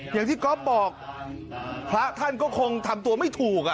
อย่างที่ก๊อฟบอกพระท่านก็คงทำตัวไม่ถูก